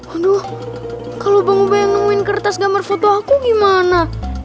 aduh kalau bang ubai nemuin kertas gambar foto aku gimana